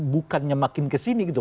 bukannya makin kesini gitu